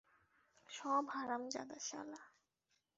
সব হারামজাদা শালা!